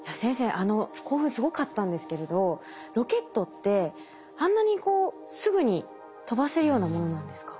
あの興奮すごかったんですけれどロケットってあんなにこうすぐに飛ばせるようなものなんですか？